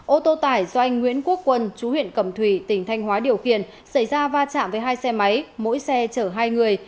ô tô tải do anh nguyễn quốc quân chú huyện cẩm thủy tỉnh thanh hóa điều khiển xảy ra va chạm với hai xe máy mỗi xe chở hai người